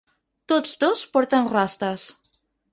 Tots dos porten rastes.